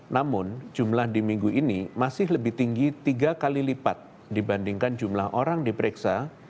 namun jumlah di minggu ini masih lebih tinggi tiga kali lipat dibandingkan jumlah orang diperiksa